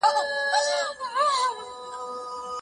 تازه کیلې د ماشومانو د ودې لپاره خورا اړین مواد لري.